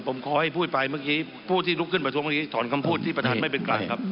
ผมขอให้พูดไปเมื่อกี้พูดที่ลุกขึ้นมาทั้งนี้ถอนคำพูดที่ประธานไม่เป็นกลางครับ